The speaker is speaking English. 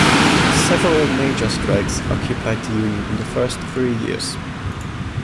Several major strikes occupied the union in its first three years.